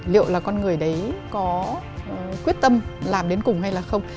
liệu là con người đấy có quyết tâm làm đến cùng hay là không